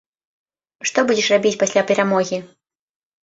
Што будзеш рабіць пасля перамогі?